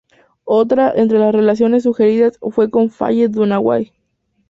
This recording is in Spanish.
Otra, de entre las relaciones sugeridas, fue con Faye Dunaway.